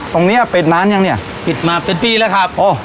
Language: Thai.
ตรงนี้เป็นนานยังเนี่ยปิดมาเป็นปีแล้วครับ